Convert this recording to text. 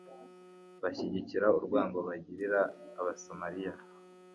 bashyigikira urwango bagirira abasamaliya.